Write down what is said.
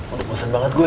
udah bosen banget gue